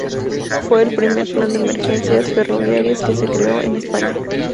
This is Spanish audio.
Fue el primer plan de emergencias ferroviarias que se creó en España.